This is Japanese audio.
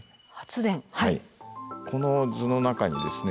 この図の中にですね